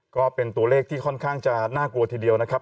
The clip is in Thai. ก็เป็นตัวเลขที่ค่อนข้างจะน่ากลัวทีเดียวนะครับ